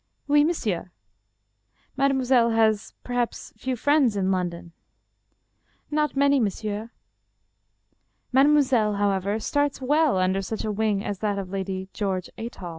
" Oui, monsieur." " Mademoiselle has, perhaps, few friends in London." " Not many, monsieur." " Mademoiselle, however, starts well under such a wing as that of Lady George Athol."